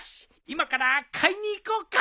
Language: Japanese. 今から買いに行こうか！